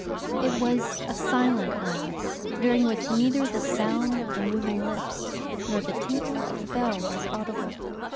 It was a silent Mass, during which neither the sound of the moving lips nor the tinkle of the bell was audible.